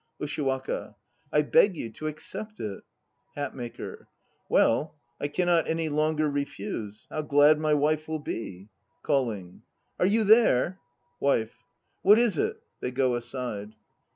USHIWAKA. I beg you to accept it. HATMAKER. Well, I cannot any longer refuse. How glad my wife will be! (Calling.) Are you there? WIFE. What is it? (They go aside.)